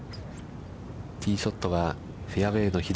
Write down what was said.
ティーショットは、フェアウェイの左。